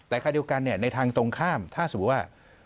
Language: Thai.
แต่คราวเดียวกันในทางตรงข้ามถ้าสมมุติว่า